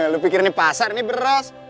lu pikir ini pasar ini beras